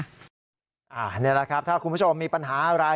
นี่แหละครับถ้าคุณผู้ชมมีปัญหาอะไร